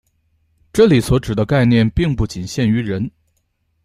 这里所指的概念并不仅限于人。